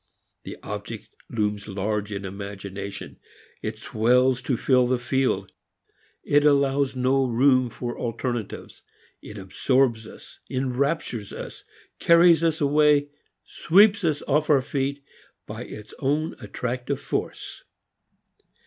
The object looms large in imagination; it swells to fill the field. It allows no room for alternatives; it absorbs us, enraptures us, carries us away, sweeps us off our feet by its own attractive force.